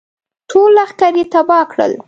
ټول لښکر یې تباه کړل.